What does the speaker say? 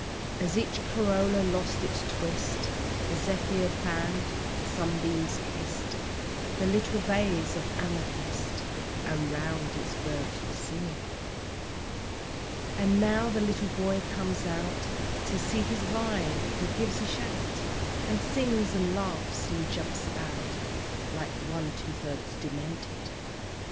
As each corolla lost its twist, The zephyr fanned, the sunbeam kissed The little vase of amethyst; And round it birds were singing. And now the little boy comes out To see his vine. He gives a shout, And sings and laughs, and jumps about Like one two thirds demented.